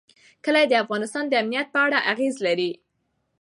کلي د افغانستان د امنیت په اړه اغېز لري.